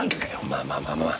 まあまあまあまあ。